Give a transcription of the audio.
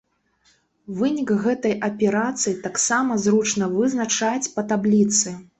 Вынік гэтай аперацыі таксама зручна вызначаць па табліцы.